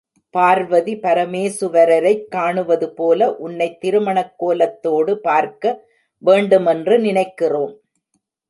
பார்வதி பரமேசுவரரைக் காணுவதுபோல உன்னைத் திருமணக்கோலத்தோடு பார்க்க வேண்டுமென்று நினைக்கிறோம்.